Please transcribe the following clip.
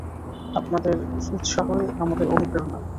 আপনাদের উৎসাহই আমাদের অনুপ্রেরণা।